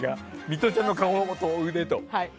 ミトちゃんの顔と腕と。